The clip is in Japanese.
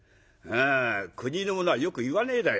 くにの者はよく言わねえだよ。